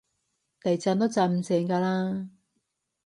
地震都震唔醒㗎喇